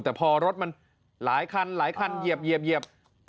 แต่พอรถมันหลายคันหลายคันเหยียบเหยียบเหยียบ